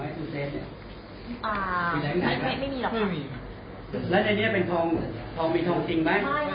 แต่ที่หนูไม่สนไปเขารู้เรื่องขนมันไปไหม